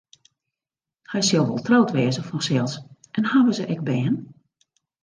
Hy sil wol troud wêze fansels en hawwe se ek bern?